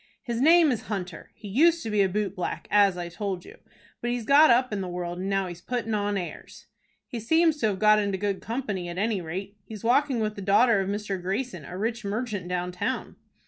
"His name is Hunter. He used to be a boot black, as I told you; but he's got up in the world, and now he's putting on airs." "He seems to have got into good company, at any rate. He is walking with the daughter of Mr. Greyson, a rich merchant down town."